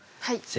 はい。